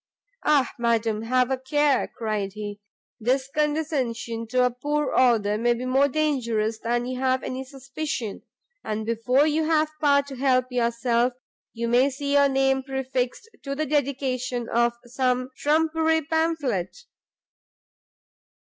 "Ah, madam, have a care!" cried he; "this condescension to a poor author may be more dangerous than you have any suspicion! and before you have power to help yourself, you may see your name prefixed to the Dedication of some trumpery pamphlet!"